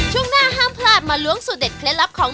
ช่วงหน้าห้ามพลาดมาล้วงสูตรเด็ดเคล็ดลับของ